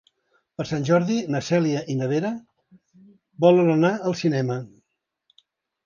Per Sant Jordi na Cèlia i na Vera volen anar al cinema.